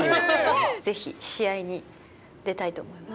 ぜひ試合に出たいと思います。